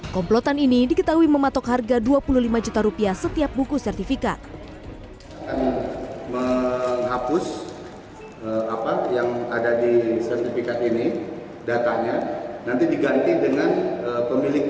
komplotan ini diketahui mematok harga rp dua puluh lima juta setiap minggu